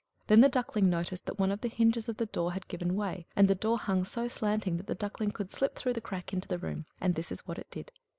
Then the Duckling noticed that one of the hinges of the door had given way, and the door hung so slanting that the Duckling could slip through the crack into the room; and that is what it did.